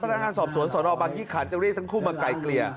พระราชงานสอบสวนสอนอบังยิคันจังรีดทั้งคู่มาไก่เกลี่ย